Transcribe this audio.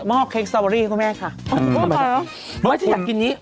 มองเค้กสตาเบอร์รี่คุณแม่ค่ะไม่ใช่อยากกินนี้